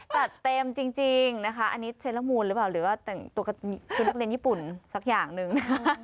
จัดเต็มจริงนะคะอันนี้เชลมูลหรือเปล่าหรือว่าแต่งตัวชุดนักเรียนญี่ปุ่นสักอย่างหนึ่ง